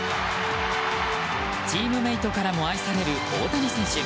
チームメートからも愛される大谷選手。